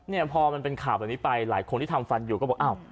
เนี่ยพอมันเป็นข่าวแบบนี้ไปหลายคนที่ทำฟันอยู่ก็บอกอ้าว